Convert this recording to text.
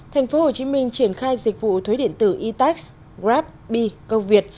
thành phố hồ chí minh triển khai dịch vụ thuế điện tử e tax grab bi câu việt